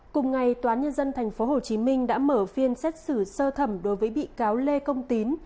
cùng ngày tòa án nhân dân tp hcm đã mở phiên xét xử sơ thẩm đối với bị cáo lê công tín